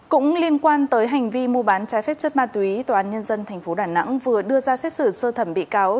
cũng liên quan tới hành vi mua bán trái phép chất ma túy tòa án nhân dân tp đà nẵng vừa đưa ra xét xử sơ thẩm bị cáo